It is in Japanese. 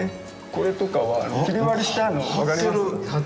これとかは切り貼りしてあるの分かります？